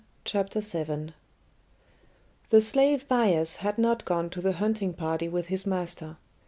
CHAPTER VII. The slave Bias had not gone to the hunting party with his master.